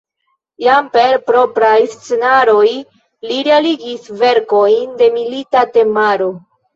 Jam per propraj scenaroj li realigis verkojn de milita temaro.